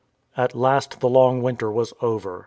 At last the long winter was over.